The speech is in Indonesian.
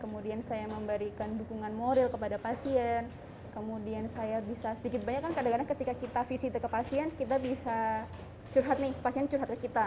kemudian saya memberikan dukungan moral kepada pasien kemudian saya bisa sedikit banyak kan kadang kadang ketika kita visi itu ke pasien kita bisa curhat nih pasien curhat ke kita